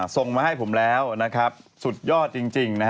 ส่งมาให้ผมแล้วนะครับสุดยอดจริงนะฮะ